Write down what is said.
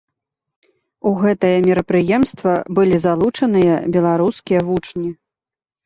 У гэтае мерапрыемства былі залучаныя беларускія вучні.